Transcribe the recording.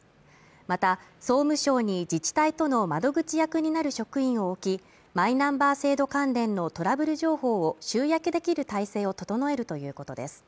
また、総務省に自治体との窓口役になる職員を置きマイナンバー制度関連のトラブル情報を集約できる体制を整えるということです。